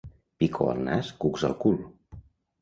Picor al nas, cucs al cul.